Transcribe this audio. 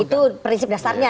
itu prinsip dasarnya